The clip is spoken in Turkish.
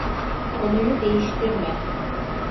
Konuyu değiştirme!